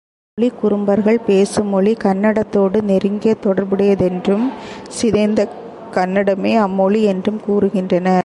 மொழி குறும்பர்கள் பேசும் மொழி கன்னடத்தோடு நெருங்கிய தொடர்புடையதென்றும், சிதைந்த கன்னடமே அம்மொழி என்றும் கூறுகின்றனர்.